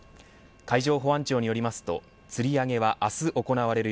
海上保安庁によりますとつり上げは明日、行われる